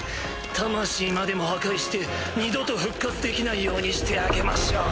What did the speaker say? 魂までも破壊して二度と復活できないようにしてあげましょう。